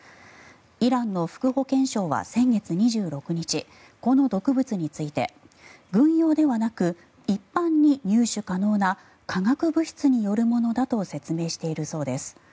イランの副保健相は先月２６日この毒物について軍用ではなく一般に入手可能な化学物質によるものだと説明しているそうです。